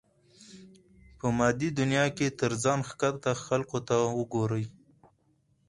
په مادي دنيا کې تر ځان ښکته خلکو ته وګورئ.